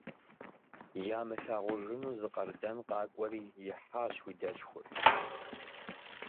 Ямылъагъужыну зы къардэн къакӀуэри, ихьащ уи дэлъхур.